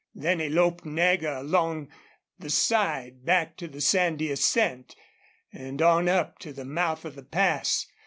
Then he loped Nagger along the side back to the sandy ascent, and on up to the mouth of the pass.